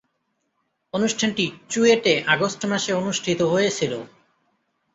অনুষ্ঠানটি চুয়েটে আগস্ট মাসে অনুষ্ঠিত হয়েছিলো।